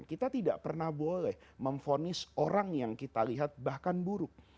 kita tidak pernah boleh memfonis orang yang kita lihat bahkan buruk